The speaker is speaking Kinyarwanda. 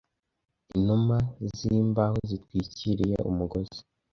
inuma zimbaho zitwikiriye umugozi